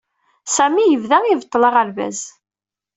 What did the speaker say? Sami yebda ibeṭṭel aɣerbaz.